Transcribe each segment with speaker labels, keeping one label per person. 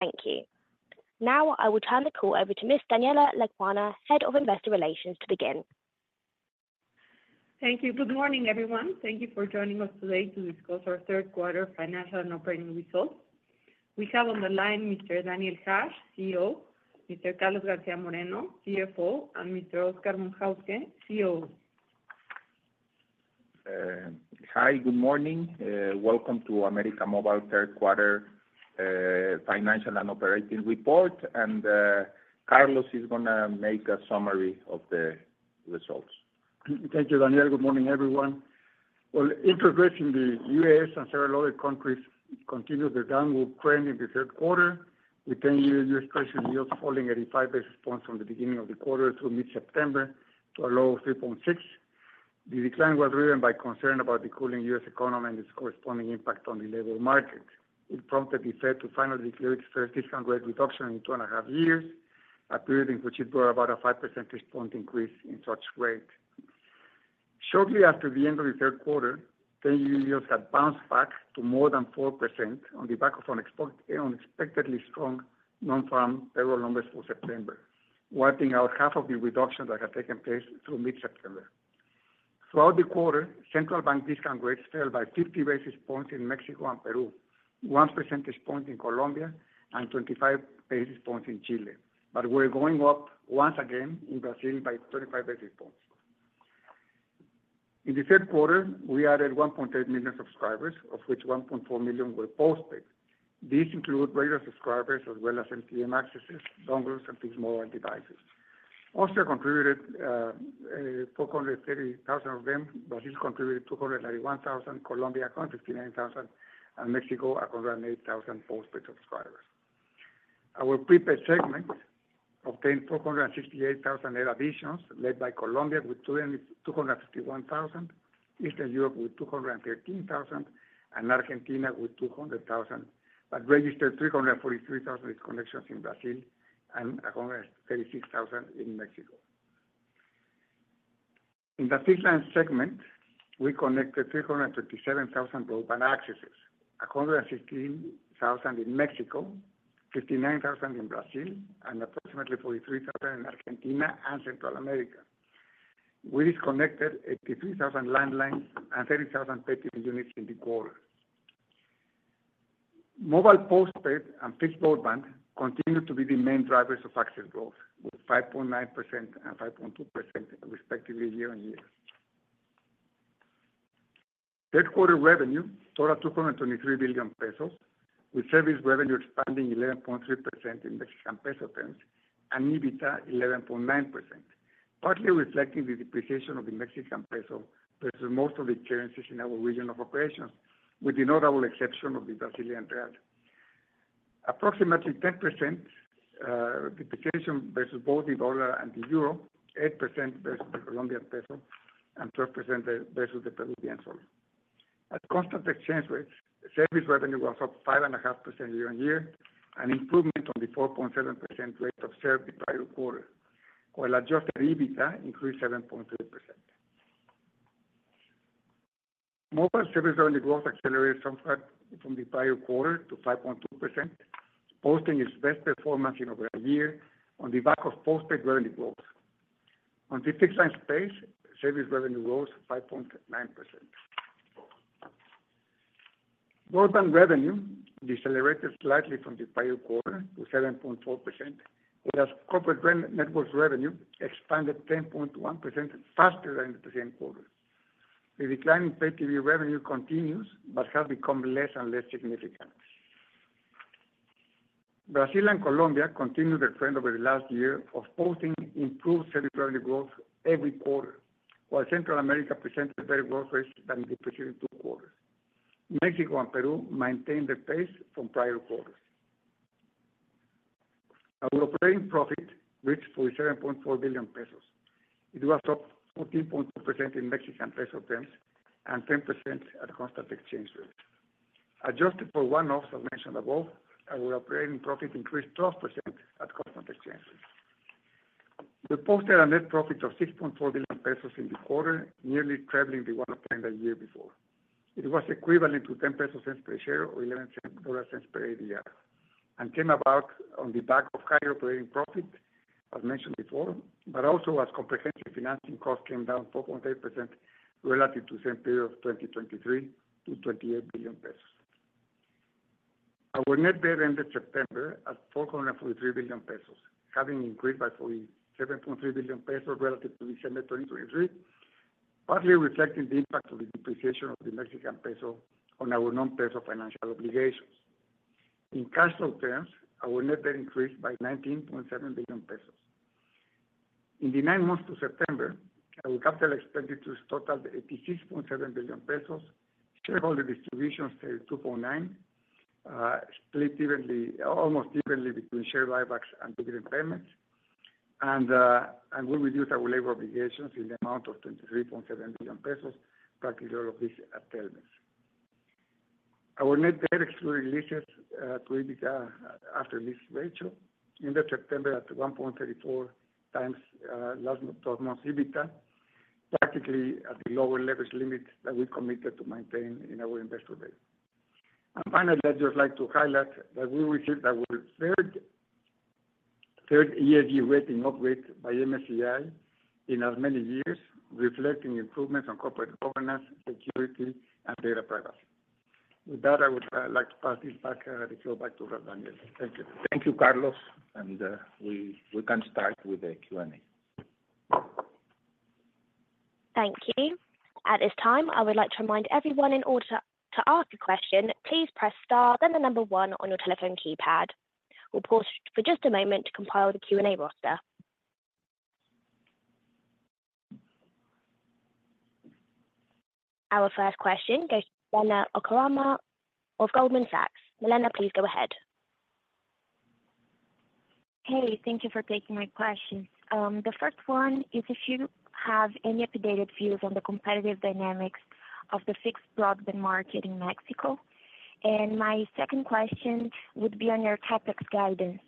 Speaker 1: Thank you. Now I will turn the call over to Ms. Daniela Lecuona, Head of Investor Relations, to begin.
Speaker 2: Thank you. Good morning, everyone. Thank you for joining us today to discuss our Third Quarter Financial and Operating Report,. We have on the line Mr. Daniel Hajj, CEO, Mr. Carlos García Moreno, CFO, and Mr. Oscar von Hauske, COO.
Speaker 3: Hi, good morning. Welcome to América Móvil Third Quarter Financial and Operating Report, and Carlos is gonna make a summary of the results.
Speaker 4: Thank you, Daniel. Good morning, everyone. Interest rates in the U.S. and several other countries continued their downward trend in the third quarter, with ten-year U.S. Treasury yields falling 85 basis points from the beginning of the quarter through mid-September to a low of 3.6. The decline was driven by concern about the cooling U.S. economy and its corresponding impact on the labor market. It prompted the Fed to finally declare its first discount rate reduction in two and a half years, a period in which it brought about a 5 percentage point increase in such rate. Shortly after the end of the third quarter, ten-year yields had bounced back to more than 4% on the back of an unexpectedly strong non-farm payrolls numbers for September, wiping out half of the reductions that had taken place through mid-September. Throughout the quarter, central bank discount rates fell by 50 basis points in Mexico and Peru, 1 percentage point in Colombia, and 25 basis points in Chile, but were going up once again in Brazil by 35 basis points. In the third quarter, we added 1.8 million subscribers, of which 1.4 million were postpaid. These include regular subscribers as well as M2M accesses, dongles, and fixed mobile devices. Oscar contributed 430,000 of them. Brazil contributed 291,000, Colombia 159,000, and Mexico 108,000 postpaid subscribers. Our prepaid segment obtained four hundred and sixty-eight thousand net additions, led by Colombia with two hundred and fifty-one thousand, Eastern Europe with two hundred and thirteen thousand, and Argentina with two hundred thousand, but registered three hundred and forty-three thousand disconnections in Brazil and a hundred and thirty-six thousand in Mexico. In the fixed line segment, we connected three hundred and thirty-seven thousand broadband accesses, a hundred and sixteen thousand in Mexico, fifty-nine thousand in Brazil, and approximately forty-three thousand in Argentina and Central America. We disconnected eighty-three thousand landlines and thirty thousand pay TV units in the quarter. Mobile postpaid and fixed broadband continued to be the main drivers of access growth, with 5.9% and 5.2% respectively year on year. Third quarter revenue totaled 223 billion pesos, with service revenue expanding 11.3% in Mexican peso terms and EBITDA 11.9%, partly reflecting the depreciation of the Mexican peso versus most of the currencies in our region of operations, with the notable exception of the Brazilian real. Approximately 10% depreciation versus both the dollar and the euro, 8% versus the Colombian peso, and 12% versus the Peruvian sol. At constant exchange rates, service revenue was up 5.5% year on year, an improvement on the 4.7% rate observed the prior quarter, while adjusted EBITDA increased 7.3%. Mobile service revenue growth accelerated somewhat from the prior quarter to 5.2%, posting its best performance in over a year on the back of postpaid revenue growth. On the fixed line space, service revenue rose 5.9%. Broadband revenue decelerated slightly from the prior quarter to 7.4%, whereas corporate networks revenue expanded 10.1% faster than the same quarter. The decline in pay TV revenue continues but has become less and less significant. Brazil and Colombia continued their trend over the last year of posting improved service revenue growth every quarter, while Central America presented a better growth rate than the preceding two quarters. Mexico and Peru maintained their pace from prior quarters. Our operating profit reached 47.4 billion pesos. It was up 14.2% in Mexican peso terms and 10% at constant exchange rate. Adjusted for one-offs I mentioned above, our operating profit increased 12% at constant exchange rate. We posted a net profit of 6.4 billion pesos in the quarter, nearly trebling the one obtained a year before. It was equivalent to 0.10 per share or $0.11 per ADR, and came about on the back of higher operating profit, as mentioned before, but also as comprehensive financing costs came down 4.8% relative to the same period of 2023 to 28 billion pesos. Our net debt ended September at 443 billion pesos, having increased by 47.3 billion pesos relative to December 2023, partly reflecting the impact of the depreciation of the Mexican peso on our non-peso financial obligations. In cash flow terms, our net debt increased by 19.7 billion pesos. In the nine months to September, our capital expenditures totaled 86.7 billion pesos. Shareholder distributions, 2.9, split evenly, almost evenly between share buybacks and dividend payments. We reduced our labor obligations in the amount of 23.7 billion pesos, partly all of this at terms. Our net debt excluding leases to EBITDA after this ratio ended September at 1.34 times last twelve months EBITDA, practically at the lower leverage limit that we committed to maintain in our investor base. Finally, I'd just like to highlight that we received our third ESG rating upgrade by MSCI in as many years, reflecting improvements on corporate governance, security, and data progress. With that, I would like to pass it back, go back to Daniel Hajj. Thank you.
Speaker 3: Thank you, Carlos, and we can start with the Q&A.
Speaker 1: Thank you. At this time, I would like to remind everyone in order to ask a question, please press star, then the number one on your telephone keypad. We'll pause for just a moment to compile the Q&A roster. Our first question goes to Milenna Okamura of Goldman Sachs. Milena, please go ahead.
Speaker 5: Hey, thank you for taking my question. The first one is if you have any updated views on the competitive dynamics of the fixed broadband market in Mexico? And my second question would be on your CapEx guidance.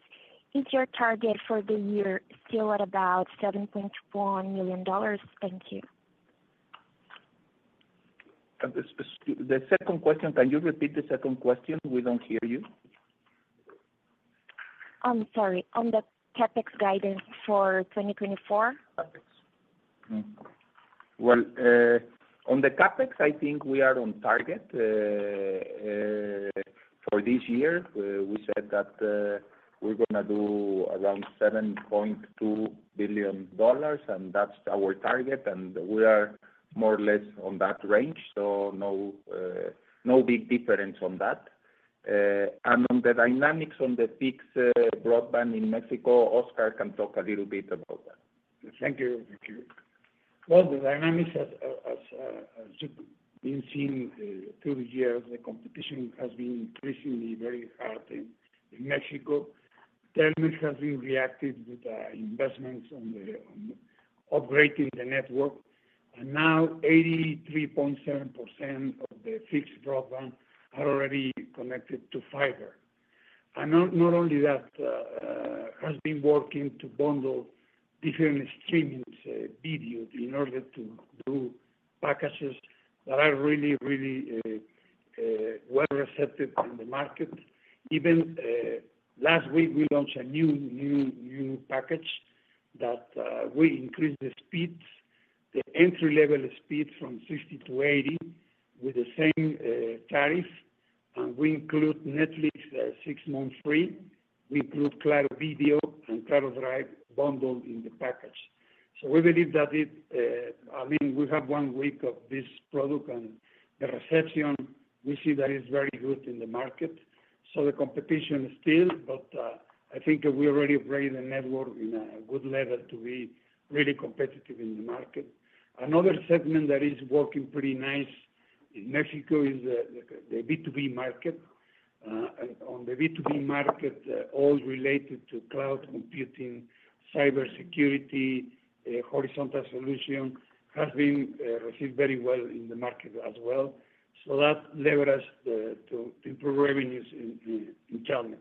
Speaker 5: Is your target for the year still at about $7.1 million? Thank you.
Speaker 3: The second question, can you repeat the second question? We don't hear you.
Speaker 5: I'm sorry. On the CapEx guidance for 2024.
Speaker 3: CapEx.
Speaker 4: Hmm.
Speaker 3: On the CapEx, I think we are on target. For this year, we said that, we're gonna do around $7.2 billion, and that's our target, and we are more or less on that range, so no big difference on that. On the dynamics on the fixed broadband in Mexico, Oscar can talk a little bit about that.
Speaker 4: Thank you.
Speaker 3: Thank you.
Speaker 4: The dynamics as you've been seeing through the years, the competition has been increasingly very hard in Mexico. Telmex has been reacted with investments on upgrading the network, and now 83.7% of the fixed broadband are already connected to fiber. And not only that, has been working to bundle different streaming video in order to do packages that are really well accepted in the market. Even last week, we launched a new package that we increased the speeds, the entry-level speeds from 60 to 80 with the same tariff, and we include Netflix six months free. We include Claro Video and Claro Drive bundled in the package. So we believe that it, I mean, we have one week of this product and the reception we see that is very good in the market. So the competition is still, but I think we already upgraded the network in a good level to be really competitive in the market. Another segment that is working pretty nice in Mexico is the B2B market. On the B2B market, all related to cloud computing, cybersecurity, horizontal solution has been received very well in the market as well. So that leverage us to improve revenues in challenge.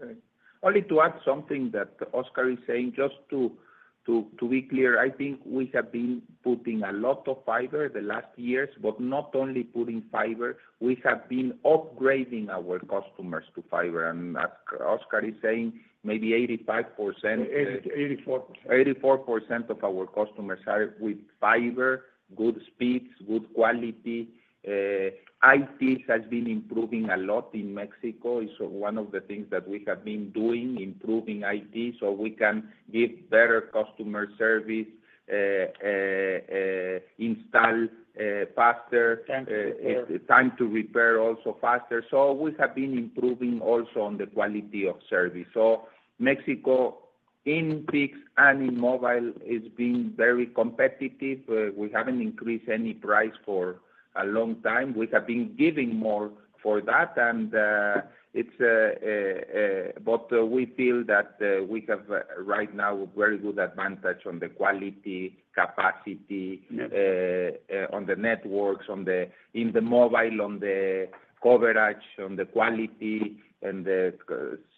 Speaker 3: Right. Only to add something that Oscar is saying, just to be clear, I think we have been putting a lot of fiber the last years, but not only putting fiber, we have been upgrading our customers to fiber. And as Oscar is saying, maybe 85%-
Speaker 6: 8.84%.
Speaker 3: 84% of our customers are with fiber, good speeds, good quality. IT has been improving a lot in Mexico. It's one of the things that we have been doing, improving IT, so we can give better customer service, install faster-
Speaker 5: Time to repair.
Speaker 3: Time to repair, also faster. So we have been improving also on the quality of service. So Mexico, in fixed and in mobile, is being very competitive. We haven't increased any price for a long time. We have been giving more for that, and but we feel that we have right now a very good advantage on the quality, capacity-
Speaker 4: Yeah...
Speaker 3: on the networks, in the mobile, on the coverage, on the quality, and the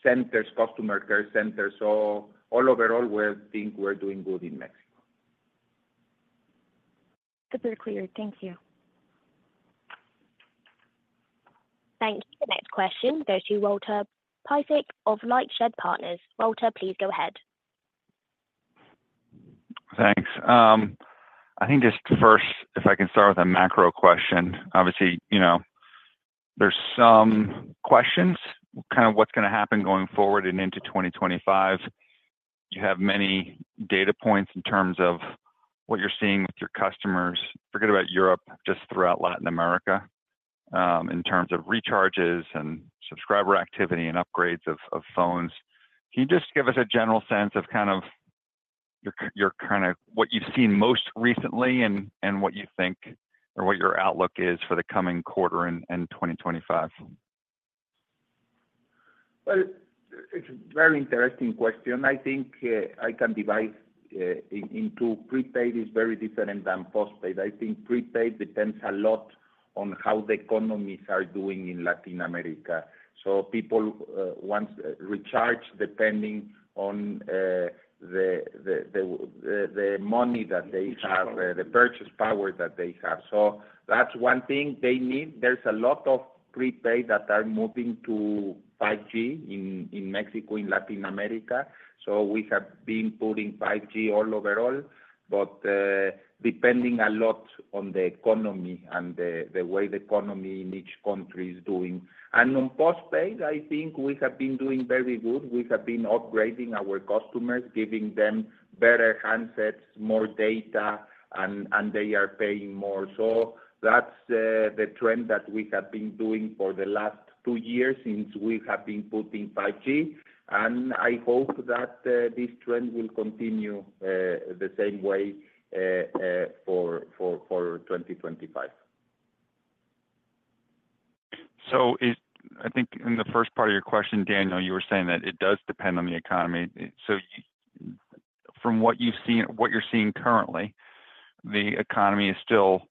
Speaker 3: centers, customer care centers. So all overall, we think we're doing good in Mexico.
Speaker 5: Super clear. Thank you.
Speaker 1: Thanks. The next question goes to Walter Piecyk of Lightshed Partners. Walter, please go ahead.
Speaker 7: Thanks. I think just first, if I can start with a macro question. Obviously, you know, there's some questions, kind of what's gonna happen going forward and into 2025. You have many data points in terms of what you're seeing with your customers, forget about Europe, just throughout Latin America, in terms of recharges and subscriber activity and upgrades of phones. Can you just give us a general sense of kind of your kind of what you've seen most recently and what you think or what your outlook is for the coming quarter in 2025?
Speaker 3: It's a very interesting question. I think I can divide into prepaid is very different than postpaid. I think prepaid depends a lot- ... on how the economies are doing in Latin America. People once recharge, depending on the money that they have, the purchasing power that they have. That's one thing they need. There's a lot of prepaid that are moving to 5G in Mexico, in Latin America, so we have been putting 5G overall, but depending a lot on the economy and the way the economy in each country is doing. On postpaid, I think we have been doing very good. We have been upgrading our customers, giving them better handsets, more data, and they are paying more. That's the trend that we have been doing for the last two years since we have been putting 5G. I hope that this trend will continue the same way for 2025.
Speaker 7: I think in the first part of your question, Daniel, you were saying that it does depend on the economy. So from what you've seen, what you're seeing currently, the economy is still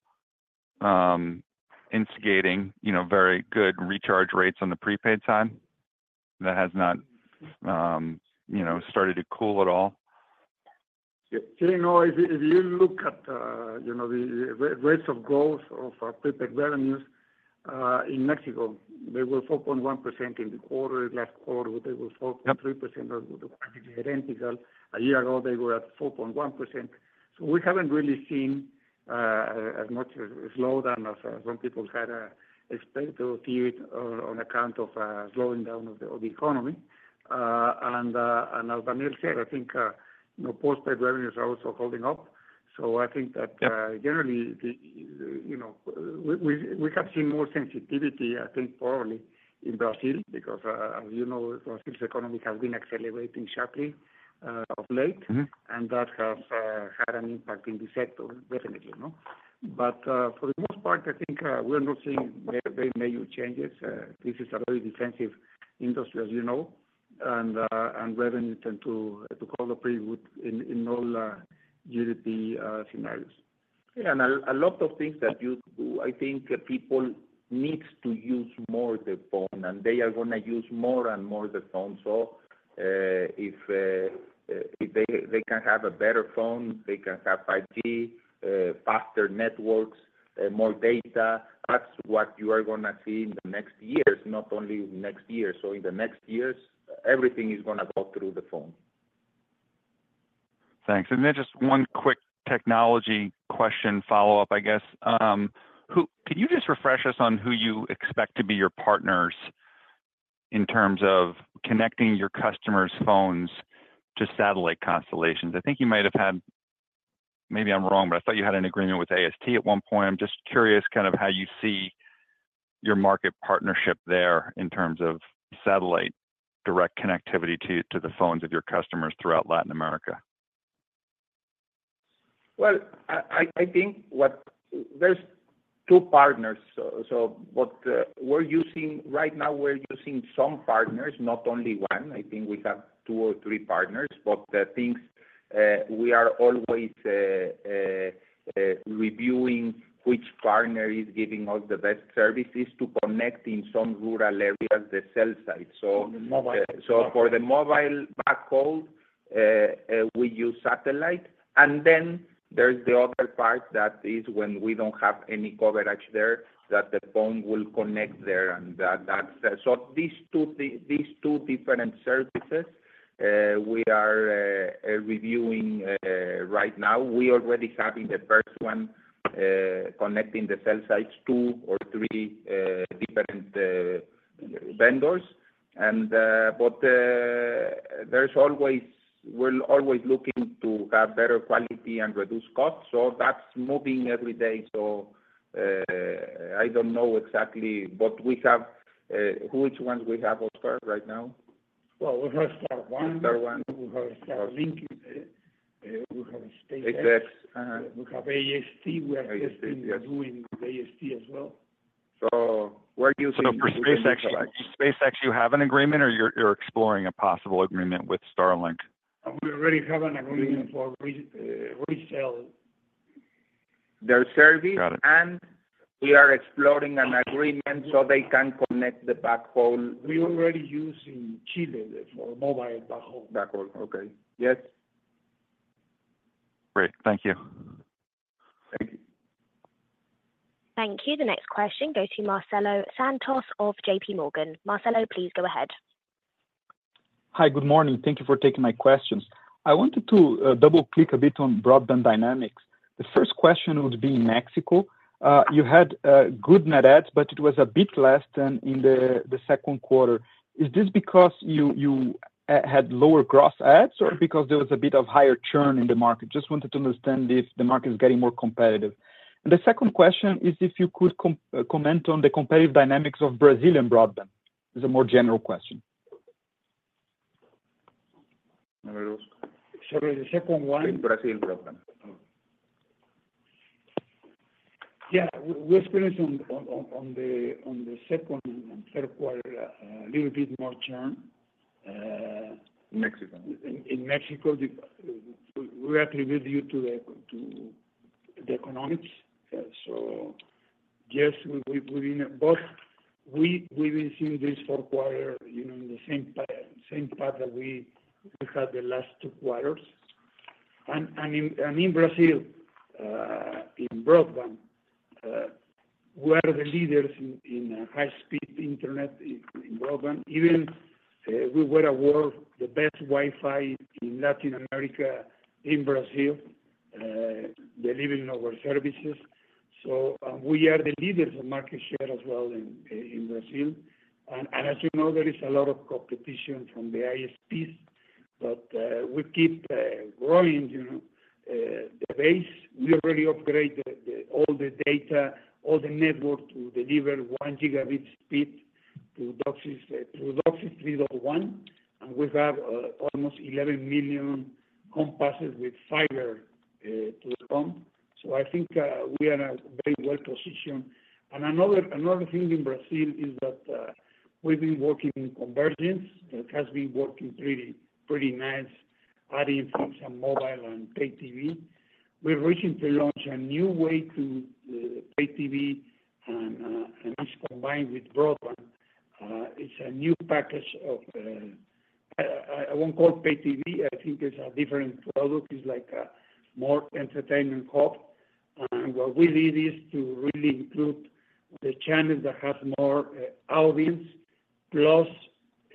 Speaker 7: instigating, you know, very good recharge rates on the prepaid side? That has not, you know, started to cool at all.
Speaker 4: Yeah, you know, if you look at the rates of growth of our prepaid revenues in Mexico, they were 4.1% in the quarter. Last quarter, they were 4.3%, identical. A year ago, they were at 4.1%. So we haven't really seen as much as a slowdown as some people had expected to see it on account of slowing down of the economy. And as Daniel said, I think you know, postpaid revenues are also holding up. So I think that-
Speaker 7: Yeah...
Speaker 4: generally, you know, we have seen more sensitivity, I think, probably in Brazil, because, as you know, Brazil's economy has been accelerating sharply, of late.
Speaker 7: Mm-hmm.
Speaker 4: And that has had an impact in the sector, definitely, you know. But for the most part, I think we're not seeing very very major changes. This is a very defensive industry, as you know, and revenues tend to follow pretty good in all GDP scenarios.
Speaker 3: Yeah, and a lot of things that you do. I think people needs to use more the phone, and they are gonna use more and more the phone. So, if they can have a better phone, they can have 5G, faster networks, more data. That's what you are gonna see in the next years, not only next year. So in the next years, everything is gonna go through the phone.
Speaker 7: Thanks. And then just one quick technology question follow-up, I guess. Who can you just refresh us on who you expect to be your partners in terms of connecting your customers' phones to satellite constellations? I think you might have had... Maybe I'm wrong, but I thought you had an agreement with AST at one point. I'm just curious kind of how you see your market partnership there in terms of satellite direct connectivity to, to the phones of your customers throughout Latin America.
Speaker 3: I think there's two partners. So, what we're using right now, some partners, not only one. I think we have two or three partners, but the things we are always reviewing which partner is giving us the best services to connect in some rural areas, the cell sites. So
Speaker 4: Mobile.
Speaker 3: So for the mobile backhaul, we use satellite. And then there's the other part that is when we don't have any coverage there, that the phone will connect there, and that, that's. So these two different services, we are reviewing right now. We already having the first one connecting the cell sites, two or three different vendors. And but, there's always. We're always looking to have better quality and reduce costs. So that's moving every day. So I don't know exactly, but we have which ones we have offered right now?
Speaker 4: We have Star One.
Speaker 3: Star One.
Speaker 4: We have Starlink, we have SpaceX.
Speaker 3: Exactly. Uh.
Speaker 4: We have AST.
Speaker 3: AST, yes.
Speaker 4: We are testing, doing AST as well.
Speaker 3: So we're using-
Speaker 7: For SpaceX, you have an agreement or you're exploring a possible agreement with Starlink?
Speaker 4: We already have an agreement for resale.
Speaker 3: Their service-
Speaker 7: Got it.
Speaker 3: We are exploring an agreement so they can connect the backhaul.
Speaker 4: We already use in Chile for mobile backhaul.
Speaker 3: Backhaul. Okay. Yes.
Speaker 7: Great. Thank you.
Speaker 3: Thank you.
Speaker 1: Thank you. The next question goes to Marcelo Santos of J.P. Morgan. Marcelo, please go ahead.
Speaker 8: Hi, good morning. Thank you for taking my questions. I wanted to double-click a bit on broadband dynamics. The first question would be in Mexico. You had good net adds, but it was a bit less than in the second quarter. Is this because you had lower gross adds, or because there was a bit of higher churn in the market? Just wanted to understand if the market is getting more competitive. And the second question is if you could comment on the competitive dynamics of Brazilian broadband. It's a more general question.
Speaker 3: Sorry, the second one?
Speaker 4: In Brazilian broadband.
Speaker 3: Yeah. We experienced on the second and third quarter a little bit more churn. ...
Speaker 4: Mexico.
Speaker 3: In Mexico, we attribute due to the economics. So yes, we in both will see this fourth quarter, you know, in the same path that we had the last two quarters. And in Brazil, in broadband, we are the leaders in high speed internet in broadband. Even, we were awarded the best Wi-Fi in Latin America, in Brazil, delivering our services. So, we are the leaders of market share as well in Brazil. And as you know, there is a lot of competition from the ISPs, but we keep growing, you know, the base.
Speaker 4: We already upgrade all the data, all the network to deliver one gigabit speed to DOCSIS through DOCSIS 3.1, and we have almost 11 million home passes with fiber to the home. So I think we are in a very well position. And another thing in Brazil is that we've been working in convergence, that has been working pretty nice, adding some mobile and pay TV. We recently launched a new way to pay TV, and it's combined with broadband. It's a new package. I won't call it pay TV. I think it's a different product. It's like a more entertainment hub. What we did is to really include the channels that have more audience, plus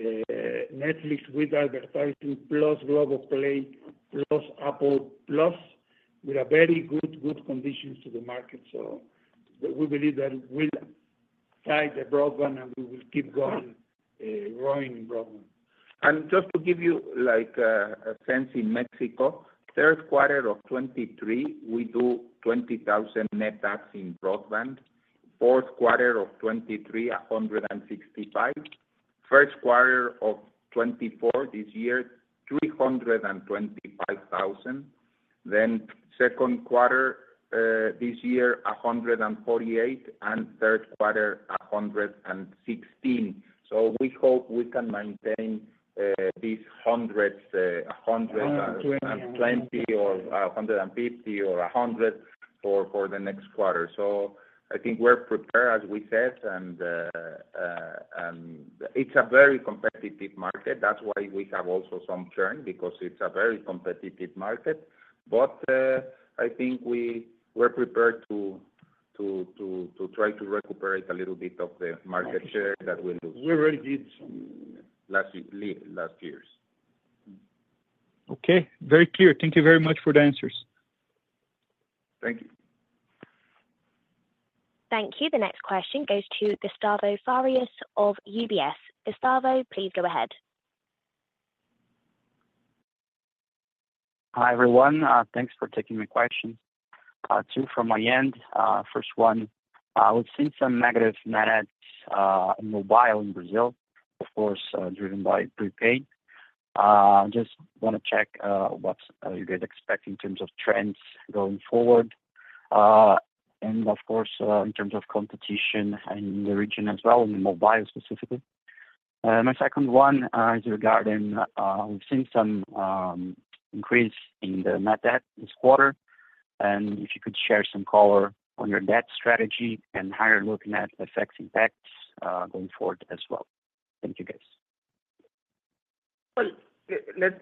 Speaker 4: Netflix with advertising, plus Globoplay, plus Apple +, with very good conditions to the market. We believe that it will tie the broadband, and we will keep going, growing in broadband.
Speaker 3: Just to give you like a sense in Mexico, third quarter of 2023, we do 20,000 net adds in broadband. Fourth quarter of 2023, 165,000. First quarter of 2024, this year, 325,000. Then second quarter this year, 148,000, and third quarter, 116,000. So we hope we can maintain these hundreds, a hundred and-
Speaker 4: 120.
Speaker 3: Twenty or a hundred and fifty or a hundred for the next quarter. So I think we're prepared, as we said, and it's a very competitive market. That's why we have also some churn, because it's a very competitive market. But I think we're prepared to try to recuperate a little bit of the market share that we lose.
Speaker 4: We already did.
Speaker 3: Last year. Last years.
Speaker 8: Okay, very clear. Thank you very much for the answers.
Speaker 3: Thank you.
Speaker 1: Thank you. The next question goes to Gustavo Farias of UBS. Gustavo, please go ahead.
Speaker 9: Hi, everyone. Thanks for taking my question, two from my end. First one, we've seen some negative net adds in mobile, in Brazil, of course, driven by prepaid. Just wanna check what you guys expect in terms of trends going forward? And of course, in terms of competition in the region as well, in mobile specifically. My second one is regarding, we've seen some increase in the net debt this quarter, and if you could share some color on your debt strategy and how you're looking at FX impacts going forward as well. Thank you, guys.
Speaker 3: Let's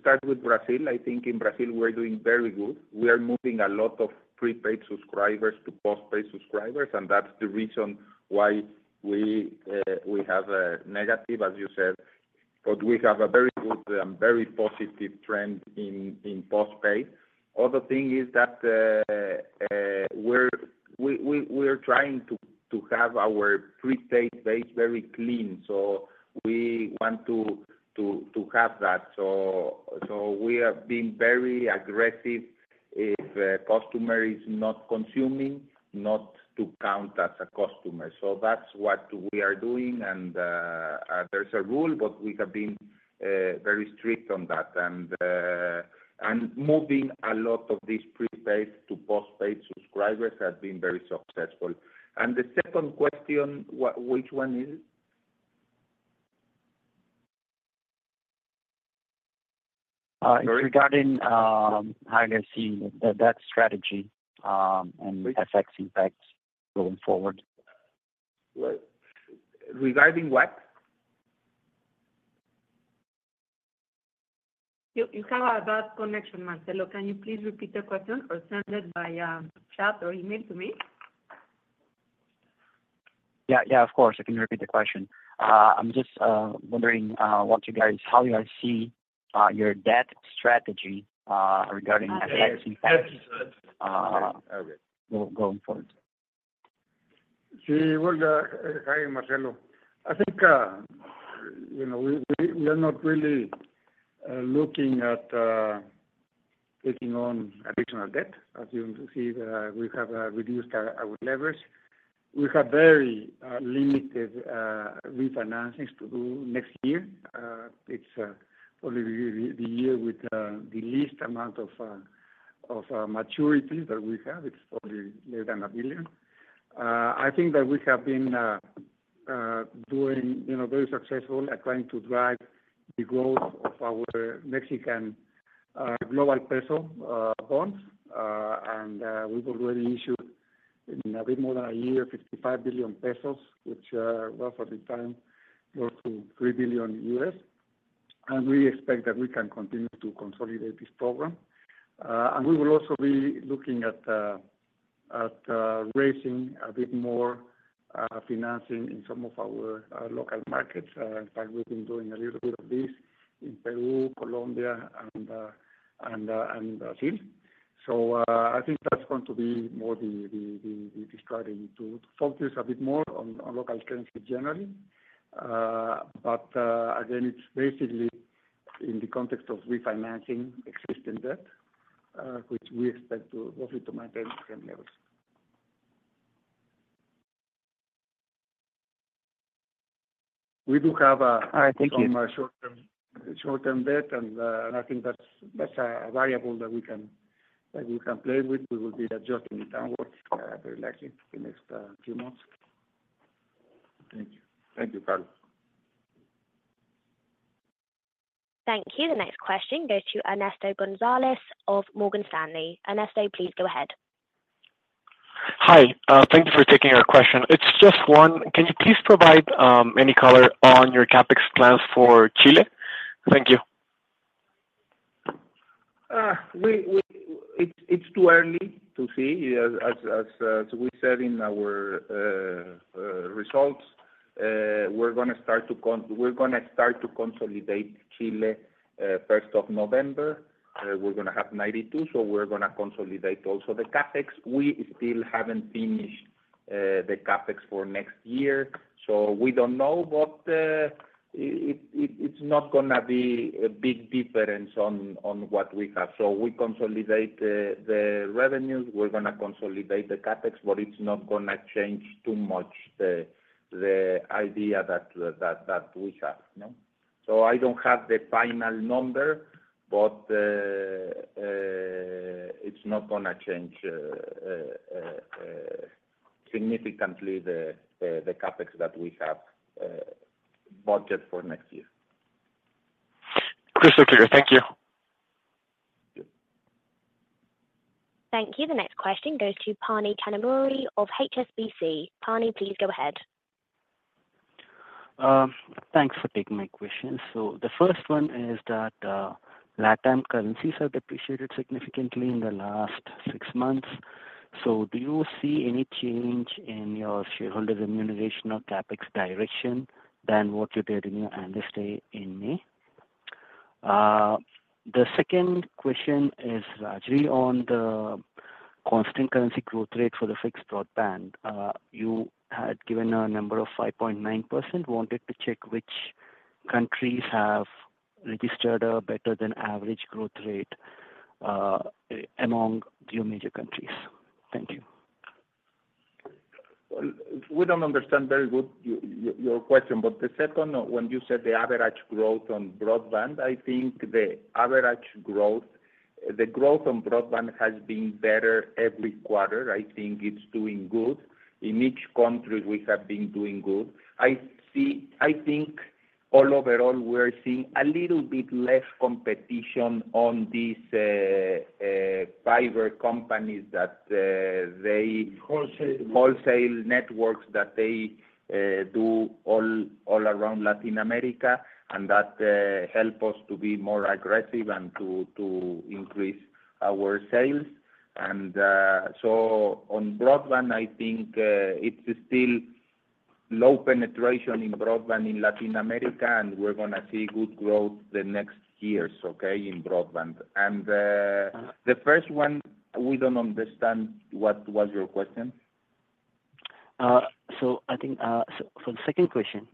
Speaker 3: start with Brazil. I think in Brazil, we're doing very good. We are moving a lot of prepaid subscribers to postpaid subscribers, and that's the reason why we have a negative, as you said, but we have a very good, very positive trend in postpaid. Other thing is that we're trying to have our prepaid base very clean, so we want to have that. So we have been very aggressive if a customer is not consuming, not to count as a customer. So that's what we are doing, and there's a rule, but we have been very strict on that. Moving a lot of these prepaid to postpaid subscribers has been very successful. The second question, what, which one is it?
Speaker 9: Uh-
Speaker 3: Sorry.
Speaker 9: Regarding how you see the debt strategy, and FX impacts going forward?
Speaker 3: Right. Regarding what?
Speaker 2: You have a bad connection, Marcelo. Can you please repeat the question or send it by chat or email to me?
Speaker 9: Yeah, yeah, of course. I can repeat the question. I'm just wondering what you guys, how you guys see your debt strategy regarding FX impacts?
Speaker 3: FX.
Speaker 9: Going forward.
Speaker 4: See, well, hi, Marcelo. I think, you know, we are not really looking at taking on additional debt. As you can see, we have reduced our leverage. We have very limited refinancings to do next year. It's probably the year with the least amount of maturity that we have. It's probably less than $1 billion. …I think that we have been doing, you know, very successful at trying to drive the growth of our Mexican global peso bonds. And we've already issued in a bit more than a year, 55 billion pesos, which, well, for the time, close to $3 billion. And we expect that we can continue to consolidate this program. And we will also be looking at raising a bit more financing in some of our local markets. In fact, we've been doing a little bit of this in Peru, Colombia, and Brazil. So I think that's going to be more the strategy, to focus a bit more on local currency generally. But, again, it's basically in the context of refinancing existing debt, which we expect to hopefully maintain same levels. We do have,
Speaker 9: All right, thank you.
Speaker 4: Some short-term debt, and I think that's a variable that we can play with. We will be adjusting downwards, very likely in the next few months. Thank you.
Speaker 9: Thank you, Carlos.
Speaker 1: Thank you. The next question goes to Ernesto González of Morgan Stanley. Ernesto, please go ahead.
Speaker 10: Hi, thank you for taking our question. It's just one. Can you please provide any color on your CapEx plans for Chile? Thank you.
Speaker 3: It's too early to see. As we said in our results, we're gonna start to consolidate Chile first of November. We're gonna have ninety-two, so we're gonna consolidate also the CapEx. We still haven't finished the CapEx for next year, so we don't know. But it's not gonna be a big difference on what we have. So we consolidate the revenues, we're gonna consolidate the CapEx, but it's not gonna change too much the idea that we have, you know. So I don't have the final number, but it's not gonna change significantly the CapEx that we have budget for next year.
Speaker 10: Crystal clear. Thank you.
Speaker 3: Yeah.
Speaker 1: Thank you. The next question goes to Phani Kanumuri of HSBC. Phani, please go ahead.
Speaker 11: Thanks for taking my question. So the first one is that LatAm currencies have depreciated significantly in the last six months. So do you see any change in your shareholders remuneration or CapEx direction than what you did in your anniversary in May? The second question is largely on the constant currency growth rate for the fixed broadband. You had given a number of 5.9%. Wanted to check which countries have registered a better than average growth rate, among your major countries. Thank you.
Speaker 3: We don't understand very good your question, but the second one, when you said the average growth on broadband, I think the average growth, the growth on broadband has been better every quarter. I think it's doing good. In each country, we have been doing good. I see... I think all overall, we're seeing a little bit less competition on these private companies, that they-
Speaker 4: Wholesale.
Speaker 3: Wholesale networks that they do all around Latin America, and that help us to be more aggressive and to increase our sales. So on broadband, I think it's still low penetration in broadband in Latin America, and we're gonna see good growth the next years, okay, in broadband. The first one, we don't understand. What was your question?
Speaker 11: So I think the second question,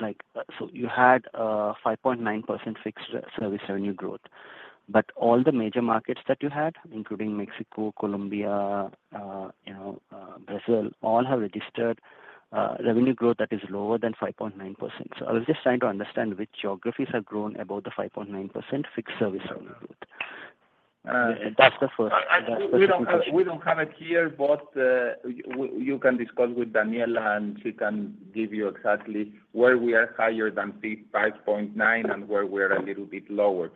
Speaker 11: like, so you had a 5.9% fixed service revenue growth, but all the major markets that you had, including Mexico, Colombia, you know, Brazil, all have registered revenue growth that is lower than 5.9%. So I was just trying to understand which geographies have grown above the 5.9% fixed service revenue growth.
Speaker 3: Uh.
Speaker 11: That's the first question.
Speaker 3: We don't have it here, but you can discuss with Daniela, and she can give you exactly where we are higher than 5.9 and where we're a little bit lower.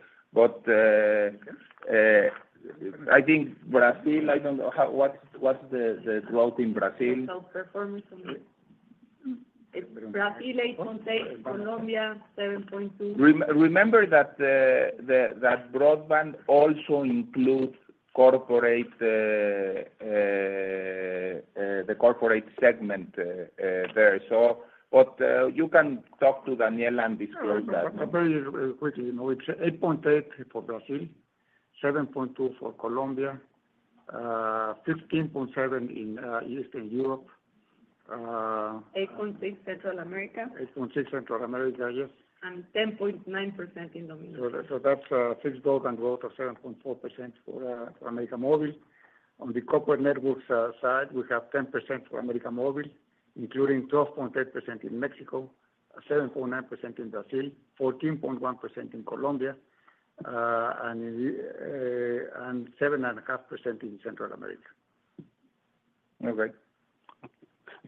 Speaker 3: I think Brazil, I don't know how... What's the growth in Brazil?
Speaker 4: performance on it. It's Brazil, 8.8, Colombia, 7.2.
Speaker 3: Remember that broadband also includes the corporate segment there. So but you can talk to Daniela and disclose that.
Speaker 4: Very quickly, you know, it's 8.8% for Brazil, 7.2% for Colombia, 15.7% in Eastern Europe, 8.6% Central America. 8.6% Central America, yes. And 10.9% in Dominican. So that's fixed overall growth of 7.4% for América Móvil. On the corporate networks side, we have 10% for América Móvil, including 12.8% in Mexico....
Speaker 3: 7.9% in Brazil, 14.1% in Colombia, and 7.5% in Central America.
Speaker 9: Okay.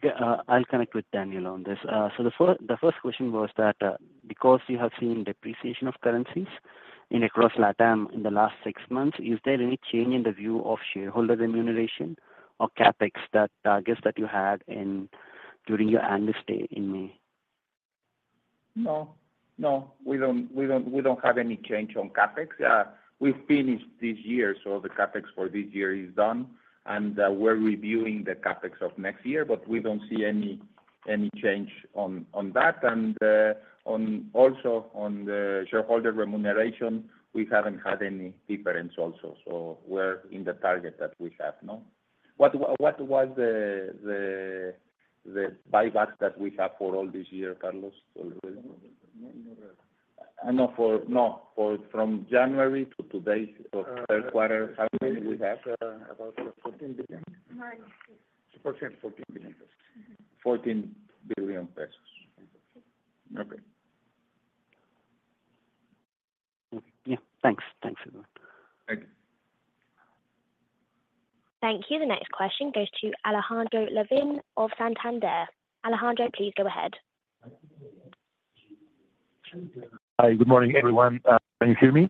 Speaker 11: Yeah, I'll connect with Daniel on this. So the first question was that, because you have seen depreciation of currencies across LatAm in the last six months, is there any change in the view of shareholder remuneration or CapEx that you guys had during your annual strategy in May?
Speaker 3: No, we don't have any change on CapEx. We've finished this year, so the CapEx for this year is done, and we're reviewing the CapEx of next year, but we don't see any change on that. And also on the shareholder remuneration, we haven't had any difference also. So we're in the target that we have now. What was the buyback that we have for all this year, Carlos?
Speaker 4: No, from January to today, so third quarter, how many we have? About fourteen billion.
Speaker 3: MXN 14 billion. Okay.
Speaker 11: Okay. Yeah, thanks. Thanks a lot.
Speaker 3: Thank you.
Speaker 1: Thank you. The next question goes to Alejandro Lavín of Santander. Alejandro, please go ahead.
Speaker 12: Hi, good morning, everyone. Can you hear me?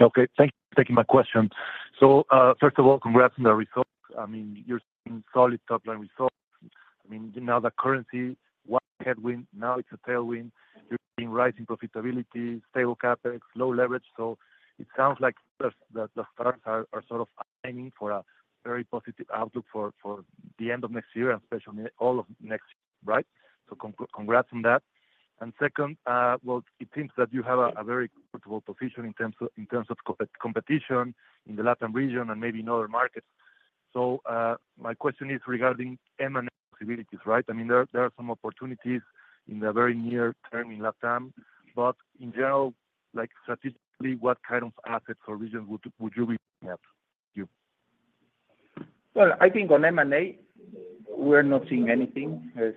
Speaker 12: Okay, thank you for taking my question. So first of all, congrats on the results. I mean, you're seeing solid top line results. I mean, now the currency, one headwind, now it's a tailwind. You're seeing rising profitability, stable CapEx, low leverage. So it sounds like the stars are sort of aiming for a very positive outlook for the end of next year and especially all of next, right? So congrats on that. Second, well, it seems that you have a very comfortable position in terms of competition in the LatAm region and maybe in other markets. So my question is regarding M&A possibilities, right? I mean, there are some opportunities in the very near term in LatAm, but in general, like statistically, what kind of assets or regions would you be looking at? Thank you.
Speaker 3: I think on M&A, we're not seeing anything as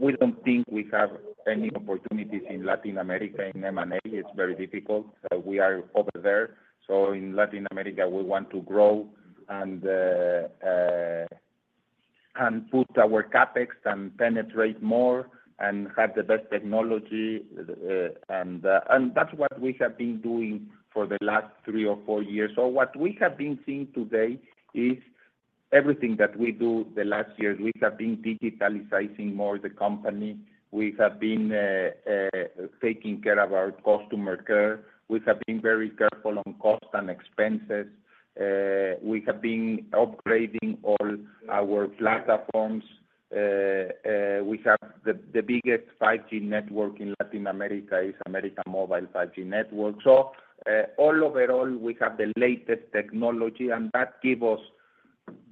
Speaker 3: we don't think we have any opportunities in Latin America, in M&A, it's very difficult. We are over there. So in Latin America, we want to grow and put our CapEx and penetrate more and have the best technology. And that's what we have been doing for the last three or four years. So what we have been seeing today is everything that we do the last years. We have been digitalizing more the company. We have been taking care of our customer care. We have been very careful on cost and expenses. We have been upgrading all our platforms. We have the biggest 5G network in Latin America is América Móvil 5G network. So, all overall, we have the latest technology, and that give us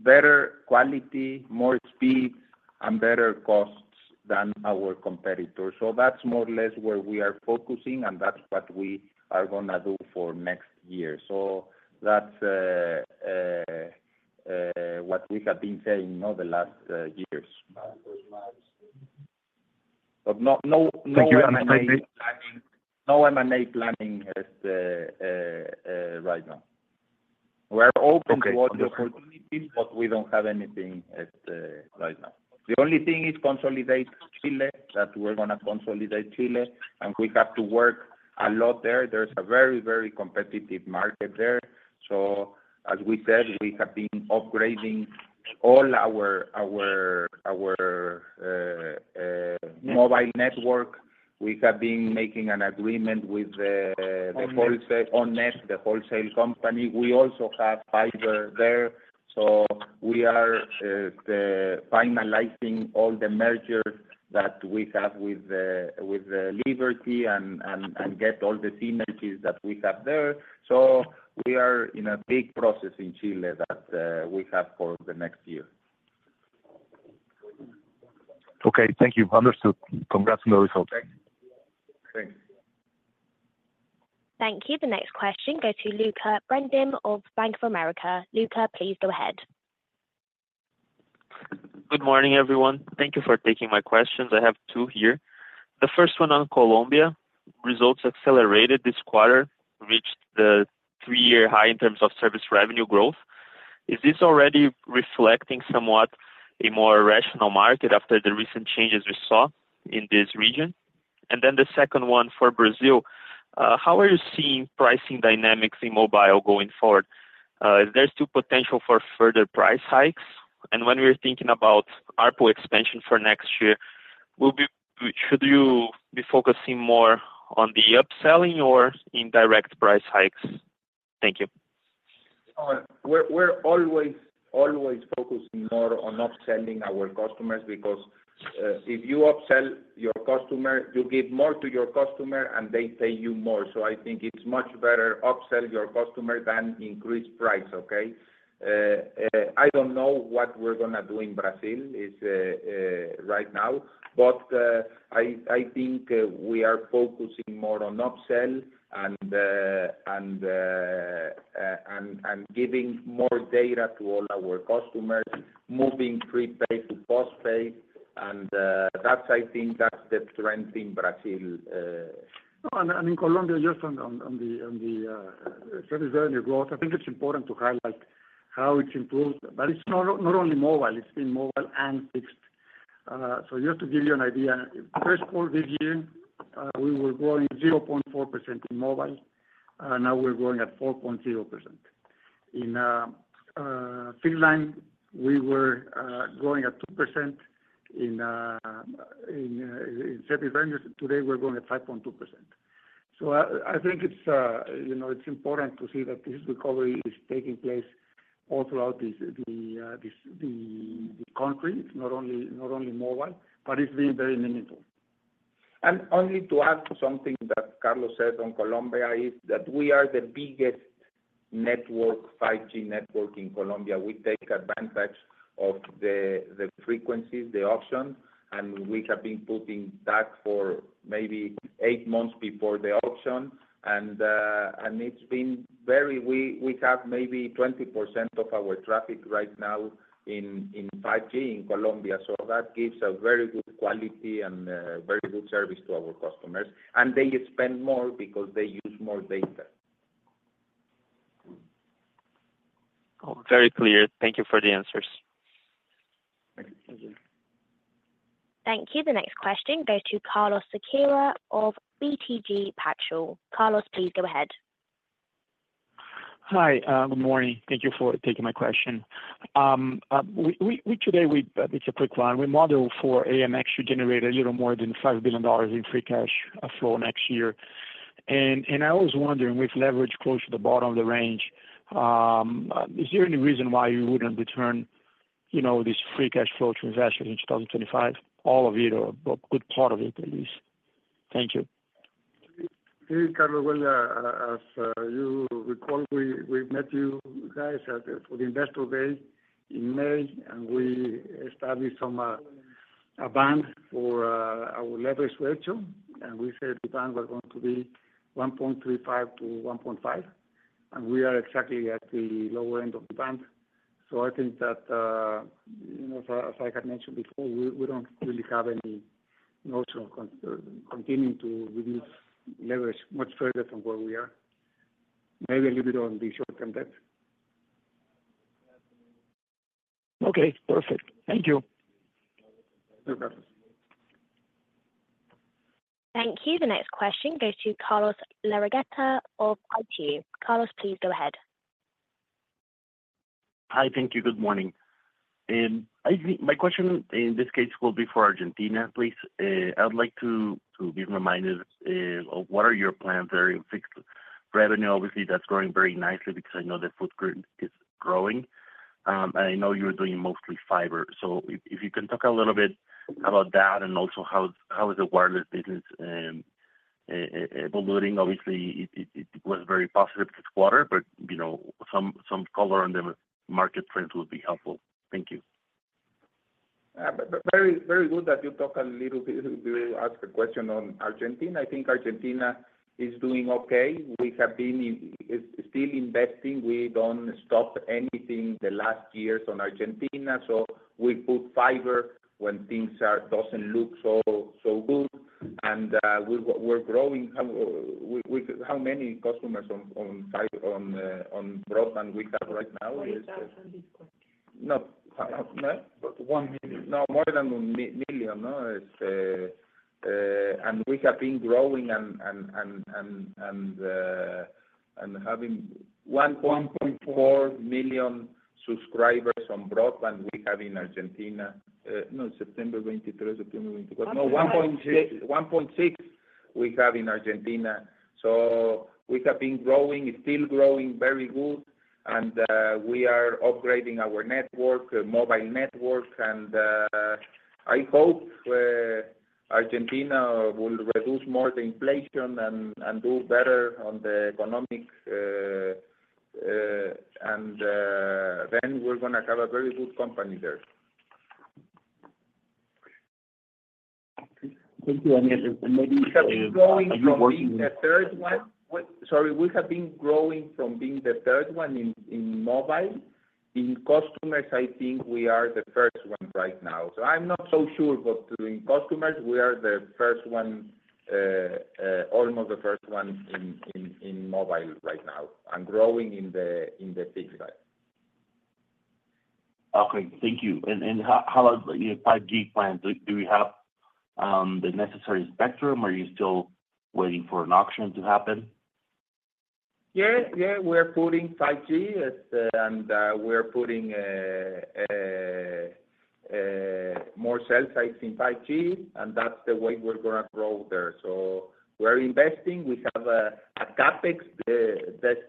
Speaker 3: better quality, more speed, and better costs than our competitors. So that's more or less where we are focusing, and that's what we are gonna do for next year. So that's what we have been saying all the last years. But no, no-
Speaker 12: Thank you.
Speaker 3: No M&A planning, no M&A planning as right now.
Speaker 12: Okay.
Speaker 3: We're open to opportunities, but we don't have anything right now. The only thing is consolidate Chile, that we're gonna consolidate Chile, and we have to work a lot there. There's a very, very competitive market there. So as we said, we have been upgrading all our mobile network. We have been making an agreement with the
Speaker 4: OnNet.
Speaker 3: OnNet, the wholesale company. We also have fiber there, so we are finalizing all the mergers that we have with the Liberty and get all the synergies that we have there, so we are in a big process in Chile that we have for the next year.
Speaker 12: Okay. Thank you. Understood. Congrats on the results.
Speaker 3: Thanks.
Speaker 1: Thank you. The next question goes to Lucca Brendim of Bank of America. Lucca, please go ahead.
Speaker 13: Good morning, everyone. Thank you for taking my questions. I have two here. The first one on Colombia. Results accelerated this quarter, reached the three-year high in terms of service revenue growth. Is this already reflecting somewhat a more rational market after the recent changes we saw in this region? And then the second one for Brazil. How are you seeing pricing dynamics in mobile going forward? Is there still potential for further price hikes? And when we're thinking about ARPU expansion for next year, should you be focusing more on the upselling or in direct price hikes? Thank you.
Speaker 3: We're always focusing more on upselling our customers, because if you upsell your customer, you give more to your customer, and they pay you more. So I think it's much better upsell your customer than increase price, okay? I don't know what we're gonna do in Brazil right now, but I think we are focusing more on upsell and giving more data to all our customers, moving prepaid to postpaid, and that's, I think, the trend in Brazil.
Speaker 4: No, and in Colombia, just on the service revenue growth, I think it's important to highlight how it's improved. But it's not only mobile, it's been mobile and fixed. So just to give you an idea, first quarter this year, we were growing 0.4% in mobile, and now we're growing at 4.0%. In fixed line, we were growing at 2% in service revenue, today we're growing at 5.2%. So I think it's, you know, it's important to see that this recovery is taking place all throughout the country. It's not only mobile, but it's been very meaningful.
Speaker 3: Only to add to something that Carlos said on Colombia, we are the biggest 5G network in Colombia. We take advantage of the frequencies, the auction, and we have been putting that for maybe eight months before the auction. And it's been very. We have maybe 20% of our traffic right now in 5G in Colombia, so that gives a very good quality and very good service to our customers. And they spend more because they use more data.
Speaker 13: Oh, very clear. Thank you for the answers.
Speaker 4: Thank you.
Speaker 1: Thank you. The next question goes to Carlos Sequeira of BTG Pactual. Carlos, please go ahead.
Speaker 14: Hi, good morning. Thank you for taking my question. Today, it's a quick one. We model for AMX to generate a little more than $5 billion in free cash flow next year. I was wondering, with leverage close to the bottom of the range, is there any reason why you wouldn't return, you know, this free cash flow to investors in twenty twenty-five? All of it or a good part of it, at least. Thank you.
Speaker 4: Hey, Carlos, well, as you recall, we met you guys at the Investor Day in May, and we established a band for our leverage ratio. And we said the band was going to be 1.35-1.5, and we are exactly at the lower end of the band. So I think that, you know, as I had mentioned before, we don't really have any notion of continuing to reduce leverage much further from where we are. Maybe a little bit on the short-term debt.
Speaker 14: Okay, perfect. Thank you.
Speaker 4: You're welcome.
Speaker 1: Thank you. The next question goes to Carlos de Legarreta of Itaú. Carlos, please go ahead.
Speaker 15: Hi, thank you. Good morning. I think my question in this case will be for Argentina, please. I would like to be reminded of what are your plans are in fixed revenue? Obviously, that's growing very nicely because I know the footprint is growing. And I know you're doing mostly fiber. So if you can talk a little bit about that and also how is the wireless business evolving? Obviously, it was very positive this quarter, but you know, some color on the market trends would be helpful. Thank you.
Speaker 3: But very, very good that you talk a little bit, you ask a question on Argentina. I think Argentina is doing okay. We have been still investing. We don't stop anything the last years on Argentina, so we put fiber when things don't look so, so good, and we're growing. How many customers on fiber, on broadband we have right now is?
Speaker 4: Four thousand this quarter.
Speaker 3: No.
Speaker 4: One million.
Speaker 3: No, more than a million, no? And we have been growing and having 1.4 million subscribers on broadband we have in Argentina. No, September 2023, September 2024. No, 1.6, 1.6 we have in Argentina. So we have been growing, still growing very good, and we are upgrading our network, mobile network. And I hope Argentina will reduce more the inflation and do better on the economic, then we're gonna have a very good company there.
Speaker 15: Thank you. And yet, maybe-
Speaker 3: We have been growing from being the third one. What? Sorry, we have been growing from being the third one in mobile. In customers, I think we are the first one right now. So I'm not so sure, but in customers, we are the first one, almost the first one in mobile right now, and growing in the fixed line.
Speaker 15: Okay, thank you. And how are your 5G plans? Do you have the necessary spectrum, or are you still waiting for an auction to happen?
Speaker 3: Yes, yeah, we're putting 5G and more cell sites in 5G, and that's the way we're gonna grow there. So we're investing. We have a CapEx that's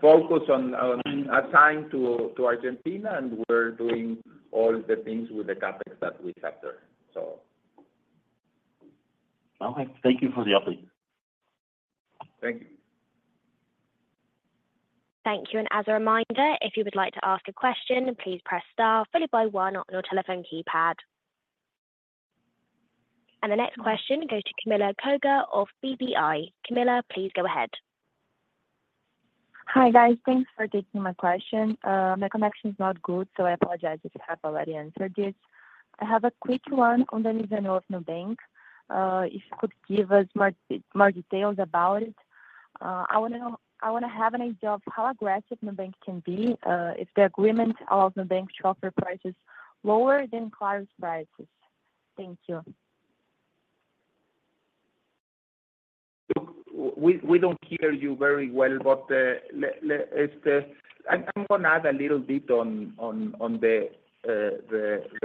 Speaker 3: focused on and assigned to Argentina, and we're doing all the things with the CapEx that we have there, so.
Speaker 15: Okay. Thank you for the update.
Speaker 3: Thank you. Bye. ...
Speaker 1: Thank you, and as a reminder, if you would like to ask a question, please press Star followed by one on your telephone keypad. And the next question goes to Camila Koga of BBI. Camila, please go ahead.
Speaker 16: Hi, guys. Thanks for taking my question. My connection is not good, so I apologize if you have already answered this. I have a quick one on the Nubank. If you could give us more details about it. I wanna know, I wanna have an idea of how aggressive Nubank can be, if the agreement of Nubank shorter prices lower than current prices. Thank you.
Speaker 3: Look, we don't hear you very well, but let me. I'm gonna add a little bit on the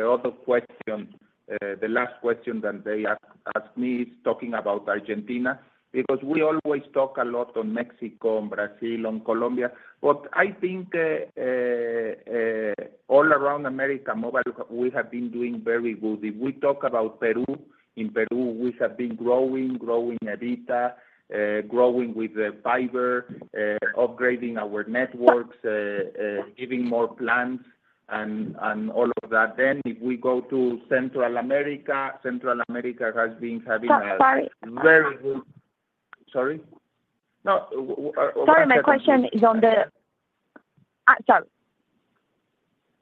Speaker 3: other question. The last question that they asked me is talking about Argentina, because we always talk a lot on Mexico, on Brazil, on Colombia. But I think all around América Móvil, we have been doing very good. If we talk about Peru, in Peru, we have been growing EBITDA, growing with the fiber, upgrading our networks, giving more plans and all of that. Then if we go to Central America, Central America has been having a-
Speaker 16: Sorry.
Speaker 3: Very good. Sorry? No,
Speaker 16: Sorry, my question is on the... sorry.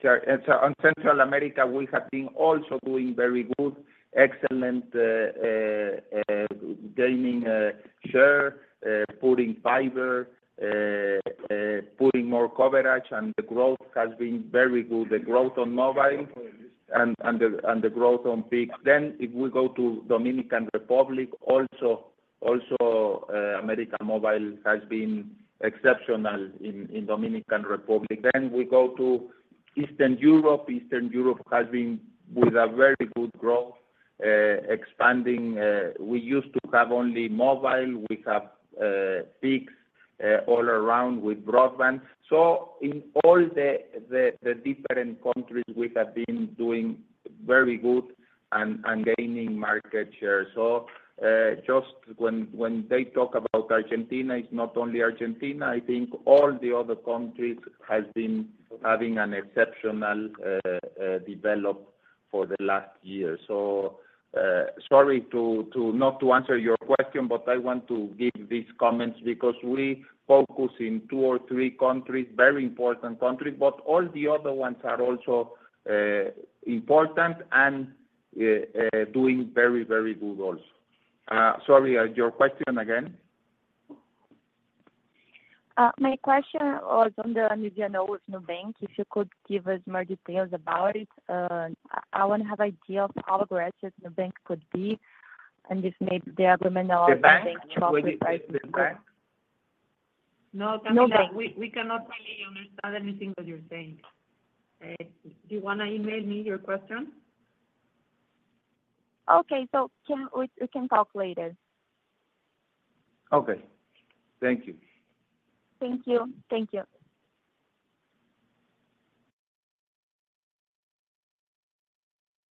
Speaker 3: Sorry. And so on Central America, we have been also doing very good, excellent, gaining share, putting fiber, putting more coverage, and the growth has been very good. The growth on mobile and the growth on fixed. Then if we go to Dominican Republic, also, América Móvil has been exceptional in Dominican Republic. Then we go to Eastern Europe. Eastern Europe has been with a very good growth, expanding. We used to have only mobile. We have fixed all around with broadband. So in all the different countries, we have been doing very good and gaining market share. So just when they talk about Argentina, it's not only Argentina, I think all the other countries has been having an exceptional development for the last year. So, sorry to not answer your question, but I want to give these comments because we focus in two or three countries, very important countries, but all the other ones are also important and doing very, very good also. Sorry, your question again?
Speaker 16: My question was on the Nubank. If you could give us more details about it. I wanna have idea of how aggressive the bank could be, and if maybe the other one are-
Speaker 3: The bank?
Speaker 2: The bank. No, Camila, we cannot really understand anything that you're saying. Do you wanna email me your question? Okay. So can we talk later.
Speaker 3: Okay. Thank you.
Speaker 16: Thank you. Thank you.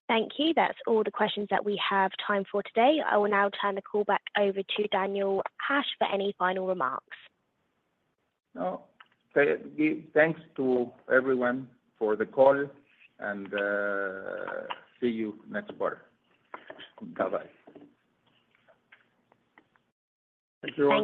Speaker 1: Thank you. That's all the questions that we have time for today. I will now turn the call back over to Daniel Hajj for any final remarks.
Speaker 3: No. So give thanks to everyone for the call, and, see you next quarter. Bye-bye.
Speaker 2: Thank you all.